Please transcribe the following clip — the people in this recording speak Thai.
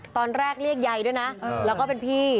ตอนแรกเรียกใยและก็เป็นพี่